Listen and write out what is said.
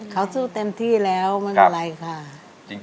เขาสู้เต็มที่แล้วมันอะไรค่ะ